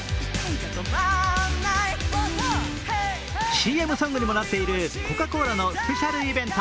ＣＭソングにもなっているコカ・コーラのスペシャルイベント